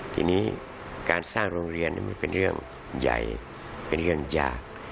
ทีนี้การสร้างโรงเรียนมันเป็นเรื่องใหญ่เป็นเรื่องยาก